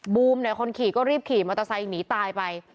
บูมเนี่ยคนขี่ก็รีบขี่มอเตอร์ไซค์หนีตายไป